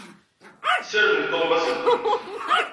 Sirdemt tuɣmas-nkent!